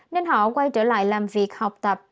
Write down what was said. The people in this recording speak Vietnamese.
nên họ quay trở lại làm việc học tập